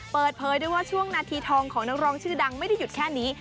เปิดเผยด้วยว่าช่วงนาทีทองของนักร้องชื่อดังไม่ได้หยุดแค่นี้